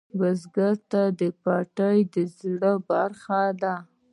بزګر ته پټی د زړۀ برخه ده